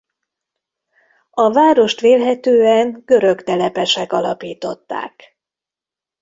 A várost vélhetően görög telepesek alapították.